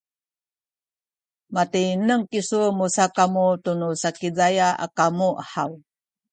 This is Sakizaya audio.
matineng kisu musakamu tunu Sakizaya a kamu haw?